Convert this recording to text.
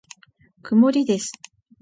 曇りです。